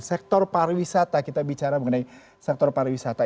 sektor pariwisata kita bicara mengenai sektor pariwisata